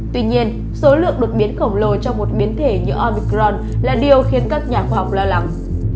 tuy nhiên số lượng đột biến khổng lồ trong một biến thể như omicron là điều khiến các nhà khoa học lo lắng